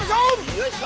よいしょ。